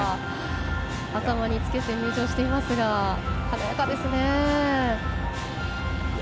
頭につけて、入場していますが華やかですね。